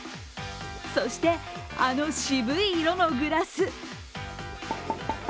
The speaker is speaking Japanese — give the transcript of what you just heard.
そして、あの渋い色のグラス。